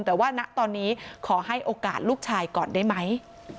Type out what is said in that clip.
แต่ว่าณตอนนี้ขอให้โอกาสลูกชายก่อนได้ไหม